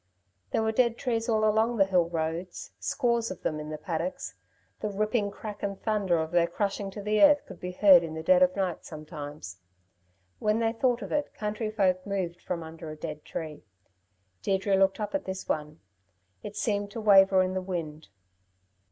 There were dead trees all along the hill roads; scores of them in the paddocks. The ripping crack and thunder of their crashing to the earth could be heard in the dead of night sometimes. When they thought of it, country folk moved from under a dead tree. Deirdre looked up at this one. It seemed to waver in the wind.